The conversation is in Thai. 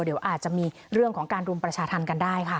เดี๋ยวอาจจะมีเรื่องของการรุมประชาธรรมกันได้ค่ะ